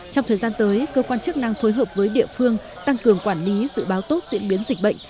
trong thời gian tới cơ quan chức năng phối hợp với địa phương tăng cường quản lý dự báo tốt diễn biến dịch bệnh